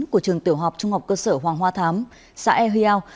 của trường tiểu học trung học cơ sở hoàng hoa thám xã eheao